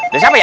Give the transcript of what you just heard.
dari siapa ya